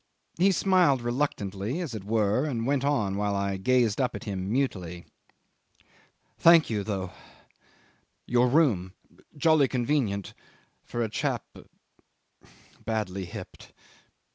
He smiled reluctantly as it were, and went on while I gazed up at him mutely. ... "Thank you, though your room jolly convenient for a chap badly hipped." ...